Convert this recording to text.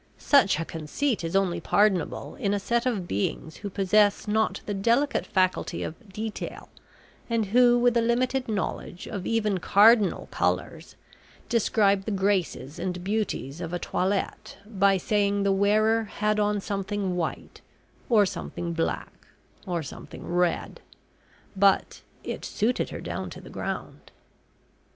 Such a conceit is only pardonable in a set of beings who possess not the delicate faculty of "detail," and who, with a limited knowledge of even cardinal colours, describe the graces and beauties of a toilette by saying the wearer had on something white, or something black, or something red, but "it suited her down to the ground."